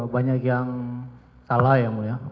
banyak yang salah ya mulia